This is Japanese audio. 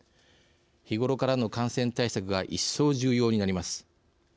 日頃からの感染対策が一層、重要になります。